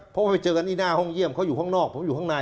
เพราะว่าไปเจอกันที่หน้าห้องเยี่ยมเขาอยู่ข้างนอก